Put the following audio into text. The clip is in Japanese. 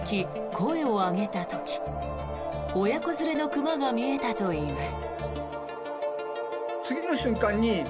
声を上げた時親子連れの熊が見えたといいます。